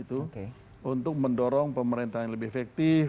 untuk mendorong pemerintah yang lebih efektif